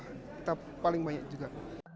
kita paling banyak juga